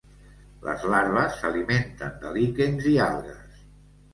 Les larves s'alimenten de líquens i algues.